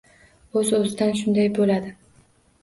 O‘z-o‘zidan shunday bo‘ladi.